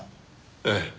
ええ。